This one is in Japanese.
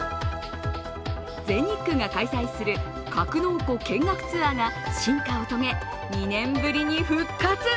全日空が開催する格納庫見学ツアーが進化を遂げ、２年ぶりに復活。